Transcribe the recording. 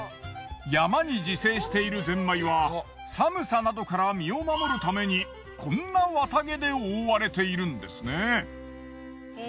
山に自生しているゼンマイは寒さなどから身を守るためにこんな綿毛で覆われているんですね。